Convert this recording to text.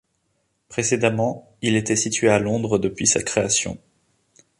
Précédemment, il était situé à Londres depuis sa création.